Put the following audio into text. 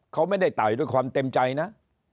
เขาไม่ได้ไต่ด้วยความเต็มใจนะ